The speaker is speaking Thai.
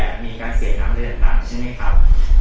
แล้วมีการเสียดน้ำแล้วแต่ต่างใช่ไหมครับ